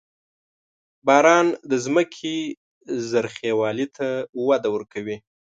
• باران د ځمکې زرخېوالي ته وده ورکوي.